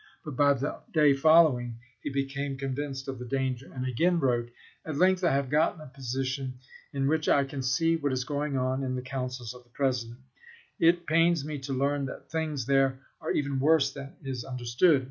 But by the day following he became convinced of the danger, and again wrote : vAt length I have gotten a position in which I can see what is going on in the councils of the President. It pains me to learn that things there are even worse than is understood.